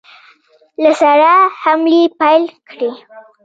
له سره حملې پیل کړې.